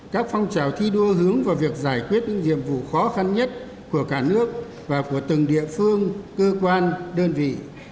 các phong trào thi đua hướng vào việc giải quyết những nhiệm vụ khó khăn nhất của cả nước và của từng địa phương cơ quan đơn vị